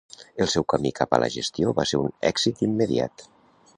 El seu camí cap a la gestió va ser un èxit immediat.